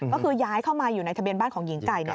ก็คือย้ายเข้ามาอยู่ในทะเบียนบ้านของหญิงไก่